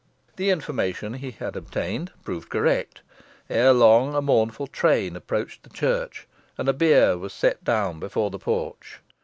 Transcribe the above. The information he had obtained proved correct. Ere long a mournful train approached the church, and a bier was set down before the porch.